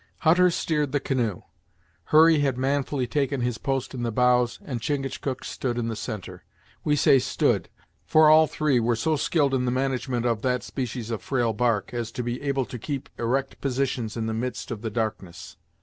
Hutter steered the canoe; Hurry had manfully taken his post in the bows, and Chingachgook stood in the centre. We say stood, for all three were so skilled in the management of that species of frail bark, as to be able to keep erect positions in the midst of the darkness.